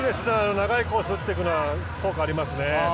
長いコースを打っていくのは効果ありますね。